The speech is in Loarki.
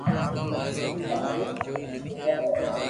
تو مارو ٻينيوي ھي